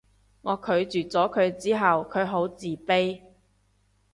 我拒絕咗佢之後佢好自卑